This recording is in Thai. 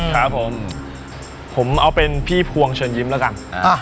ครับผมผมเอาเป็นพี่พวงเชิญยิ้มแล้วกัน